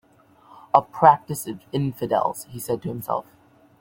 "A practice of infidels," he said to himself.